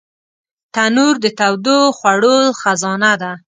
تنور د تودو خوړو خزانه ده